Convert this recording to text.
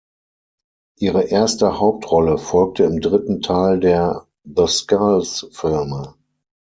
Ihre erste Hauptrolle folgte im dritten Teil der "The-Skulls"-Filme.